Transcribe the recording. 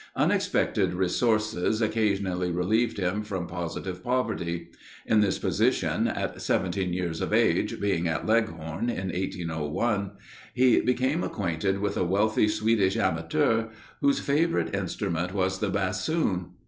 Unexpected resources occasionally relieved him from positive poverty. In this position, at seventeen years of age, being at Leghorn, in 1801, he became acquainted with a wealthy Swedish amateur, whose favourite instrument was the bassoon.